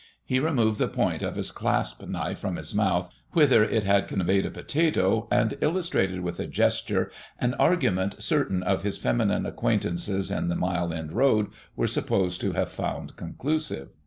He removed the point of his clasp knife from his mouth, whither it had conveyed a potato, and illustrated with a gesture an argument certain of his feminine acquaintances in the Mile End Road were supposed to have found conclusive.